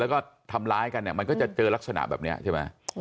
แล้วก็ทำร้ายกันเนี่ยมันก็จะเจอลักษณะแบบนี้ใช่ไหม